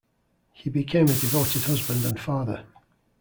He became a devoted husband and father.